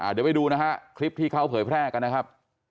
เดี๋ยวไปดูนะฮะคลิปที่เขาเผยแพร่กันนะครับ